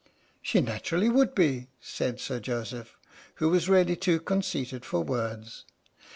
" She naturally would be," said Sir Joseph, who was really too conceited for words.